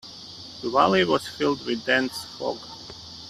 The valley was filled with dense fog.